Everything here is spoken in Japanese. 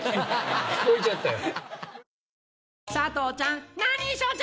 聞こえちゃったよ。